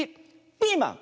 ピーマン。